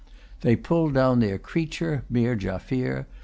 They pulled down their creature, Meer Jaffier.